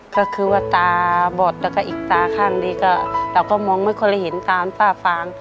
ก็คือว่าตาบอดแล้วก็อีกตาข้างดีก็เราก็มองไม่ค่อยเห็นตามฝ้าฟาง